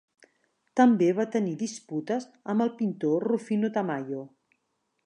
També va tenir disputes amb el pintor Rufino Tamayo.